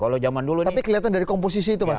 tapi kelihatan dari komposisi itu mas